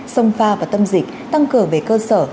xông pha vào tâm dịch tăng cửa về cơ sở